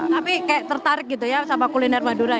tapi kayak tertarik gitu ya sama kuliner madura